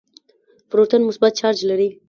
پروتون مثبت چارج لري.